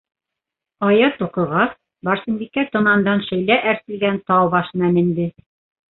Аят уҡығас, Барсынбикә томандан шөйлә әрселгән тау башына менде.